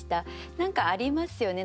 何かありますよね。